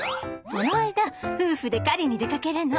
その間夫婦で狩りに出かけるの。